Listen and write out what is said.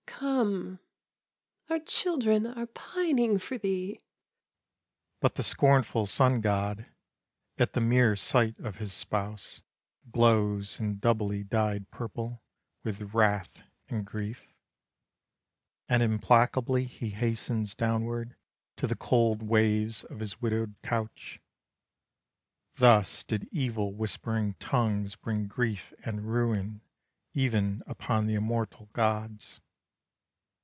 Come! our children are pining for thee!" But the scornful sun god, At the mere sight of his spouse, Glows in doubly dyed purple, With wrath and grief, And implacably he hastens downward To the cold waves of his widowed couch. Thus did evil whispering tongues Bring grief and ruin Even upon the immortal gods.